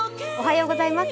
おはようございます。